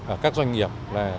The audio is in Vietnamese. ở các doanh nghiệp